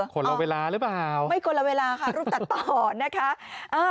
คนละเวลาหรือเปล่าไม่คนละเวลาค่ะรูปตัดต่อนะคะ